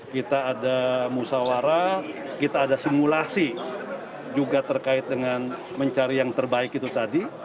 kita ada musawarah kita ada simulasi juga terkait dengan mencari yang terbaik itu tadi